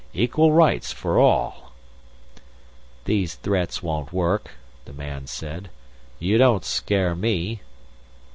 Equal rights for all " "These threats won't work," the man said. "You don't scare me."